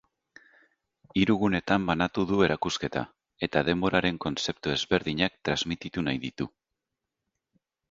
Hiru gunetan banatu du erakusketa eta denboraren kontzeptu ezberdinak transmititu nahi ditu.